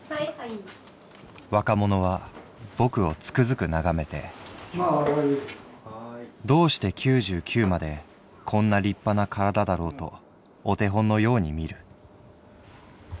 「若者はぼくをつくづく眺めてどうして九十九までこんな立派な体だろうとお手本のように見る」。